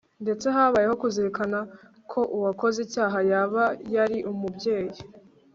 ndetse habayeho no kuzirikana ko uwakoze icyaha yaba yari umubyeyi